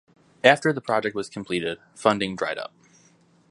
After the project was completed, funding dried up.